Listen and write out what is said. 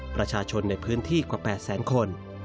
ประชาชนในพื้นที่กว่า๘แสนคน